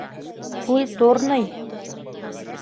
Культурный.